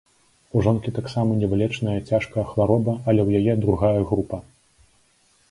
У жонкі таксама невылечная цяжкая хвароба, але ў яе другая група.